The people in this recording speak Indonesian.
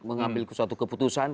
mengambil suatu keputusan